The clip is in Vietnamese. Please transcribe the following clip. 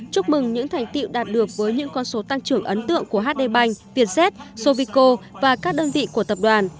chúc mừng những thành tiệu đạt được với những con số tăng trưởng ấn tượng của hdb việt ze sovico và các đơn vị của tập đoàn